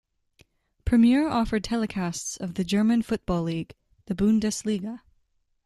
Premiere offered telecasts of the German football league - the Bundesliga.